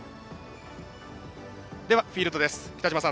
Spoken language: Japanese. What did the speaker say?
フィールドです。